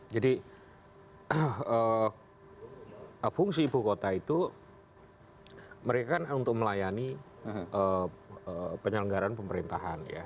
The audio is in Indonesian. jadi fungsi ibu kota itu mereka kan untuk melayani penyelenggaran pemerintahan ya